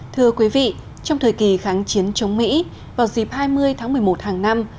thưa quý vị trong thời kỳ kháng chiến chống mỹ vào dịp hai mươi tháng một mươi một hàng năm